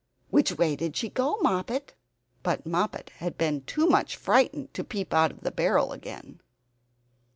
"Which way did she go, Moppet?" But Moppet had been too much frightened to peep out of the barrel again.